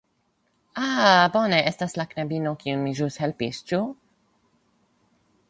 Ah, bone, estas la knabino kiun mi ĵus helpis, ĉu?